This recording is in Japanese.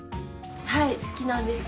はい好きなんです。